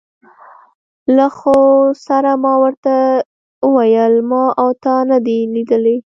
له خو سره ما ور ته وویل: ما او تا نه دي لیدلي.